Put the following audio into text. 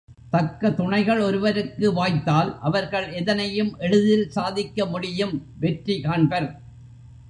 தக்க துணைகள் ஒருவருக்கு வாய்த்தால் அவர்கள் எதனையும் எளிதில் சாதிக்க முடியும் வெற்றி காண்பர்.